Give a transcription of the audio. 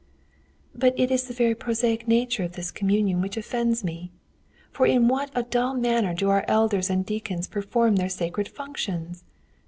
"But it is the very prosaic nature of this communion which offends me. For in what a dull manner do our elders and deacons perform their sacred functions!